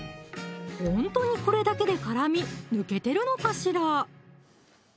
ほんとにこれだけで辛み抜けてるのかしら？